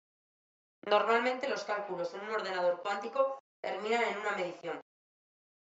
Normalmente los cálculos en un ordenador cuántico terminan en una medición.